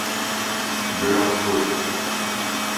De leur faute.